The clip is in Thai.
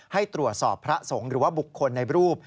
ให้ตรวจสอบพระสงฆ์หรือว่าบุคคลในรูป